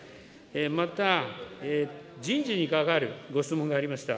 また人事に関わるご質問がありました。